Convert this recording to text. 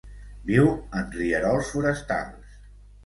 Viu en rierols forestals.